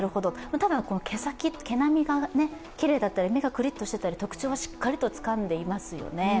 ただ毛先、毛並みがきれいだったり目がくりっとしていたら特徴はしっかりとつかんでいますよね。